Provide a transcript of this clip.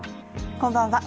こんばんは。